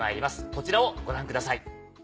こちらをご覧ください。